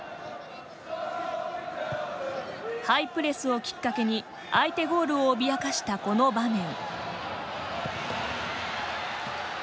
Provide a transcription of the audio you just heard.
ハイプレスをきっかけに相手ゴールを脅かしたこの場面。